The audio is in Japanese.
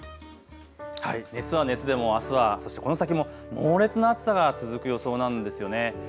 熱は熱でもあすは、そしてこの先も猛烈な暑さが続く予想なんですよね。